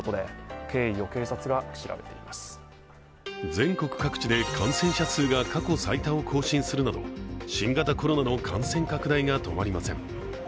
全国各地で感染者数が過去最多を更新するなど新型コロナの感染拡大が止まりません。